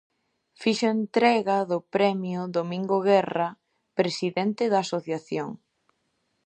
Fixo entrega do premio Domingo Guerra, presidente da asociación.